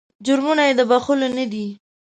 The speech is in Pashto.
جرمونه یې د بخښلو نه دي.